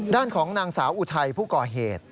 ด้านของนางสาวอุทัยผู้ก่อเหตุ